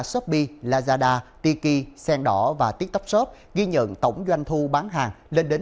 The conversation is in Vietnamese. shopee lazada tiki sen đỏ và tiktok shop ghi nhận tổng doanh thu bán hàng lên đến ba mươi chín tỷ đồng